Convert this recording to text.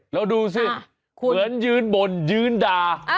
แล้วดูสิเหมือนยืนบ่นยืนด่า